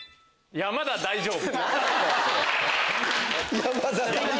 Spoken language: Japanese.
「山田大丈夫」。